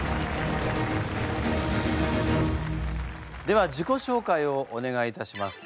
では自己紹介をお願いいたします。